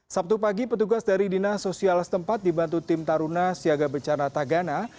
sabtu pagi petugas dari dinas sosial setempat dibantu tim taruna siaga bencana tagana